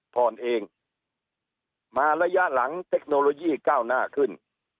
ผ่อนเองมาระยะหลังเทคโนโลยีก้าวหน้าขึ้น